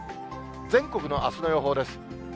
全国のあすの予報です。